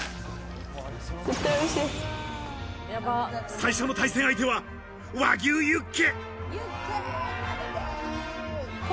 最初の対戦相手は和牛ユッケ。